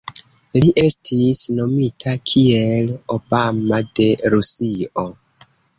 Li estis nomita kiel "Obama de Rusio".